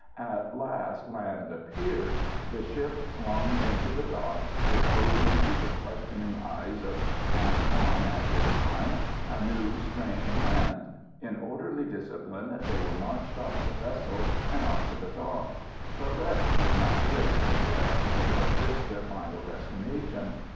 At last land appeared. The ship swung into the dock, disclosing to the questioning eyes of Kan Won and his kind a new strange land. In orderly discipline they were marched off the vessel and on to the dock. But rest was not theirs as yet, nor was this their final destination.